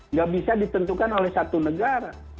nggak bisa ditentukan oleh satu negara